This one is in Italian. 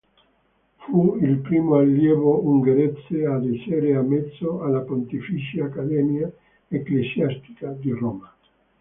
Fu il primo allievo ungherese ad essere ammesso alla Pontificia accademia ecclesiastica di Roma.